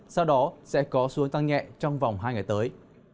sau đó sẽ có xuống tăng nhẹ trong vòng hai ngày tới